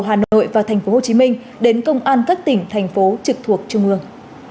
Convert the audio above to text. hà nội và tp hcm đến công an các tỉnh thành phố trực thuộc trung ương